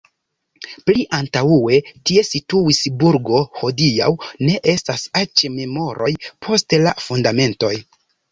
Pli antaŭe tie situis burgo, hodiaŭ ne estas eĉ memoroj post la fundamentoj.